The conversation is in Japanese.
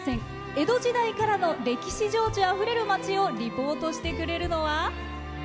江戸時代からの歴史情緒あふれる町をリポートしてくれるのは。